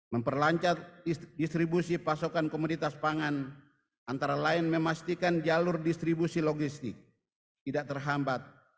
memperlancar distribusi pasokan komoditas pangan antara lain memastikan jalur distribusi logistik tidak terhambat